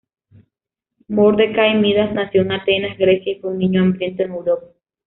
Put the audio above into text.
Mordecai Midas nació en Atenas, Grecia, y fue un niño hambriento en Europa.